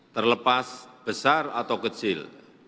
terlepas besar atau kecil